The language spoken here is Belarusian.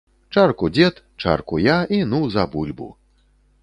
Чарку дзед, чарку я, і ну, за бульбу.